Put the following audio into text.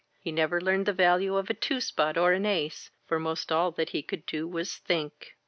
He never learned the value of a two spot or an ace For 'most all that he could do was think.